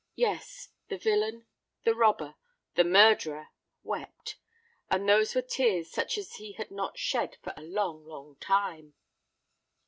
Yes—the villain—the robber—the murderer wept; and those were tears such as he had not shed for a long, long time!